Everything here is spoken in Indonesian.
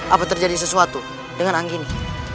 apa terjadi sesuatu dengan anggini